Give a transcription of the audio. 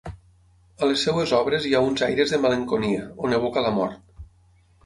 A les seves obres hi ha uns aires de malenconia, on evoca la mort.